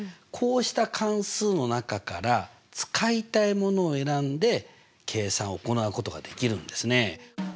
こうした関数の中から使いたいものを選んで計算を行うことができるんですね。